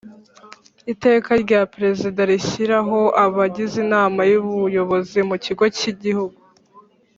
Iteka rya Perezida rishyiraho abagize Inama y Ubuyobozi mu Kigo cy Igihugu